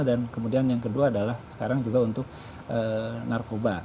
dan kemudian yang kedua adalah sekarang juga untuk narkoba